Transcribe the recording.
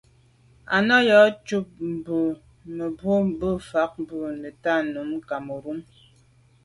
À nɑ̀’ yǎ cûp bú mbə̌ bū fâ’ bû nə̀tɑ́ nǔm Cameroun.